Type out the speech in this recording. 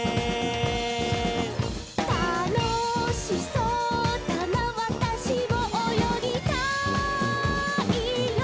「たのしそうだなワタシもおよぎたいよ」